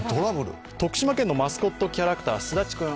徳島県のマスコットキャラクターすだちくん